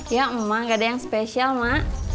ya emang gak ada yang spesial mak